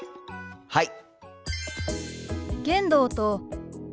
はい！